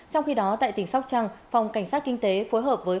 trong khi đó tại tỉnh sóc trăng phòng cảnh sát kinh tế phối hợp với